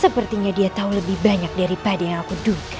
sepertinya dia tahu lebih banyak daripada yang aku duga